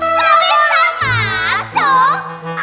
tidak bisa masuk